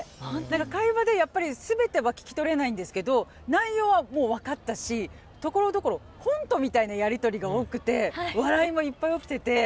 会話でやっぱり全ては聞き取れないんですけど内容はもう分かったしところどころコントみたいなやり取りが多くて笑いもいっぱい起きてて。